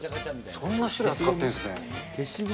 そんな種類使ってるんですね。